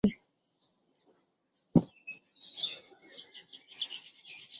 ঔষধ বড়জোর শরীরের মধ্যে যে শ্রেষ্ঠ পদার্থ আছে, তাহা সঞ্চয় করিতে সাহায্য করে।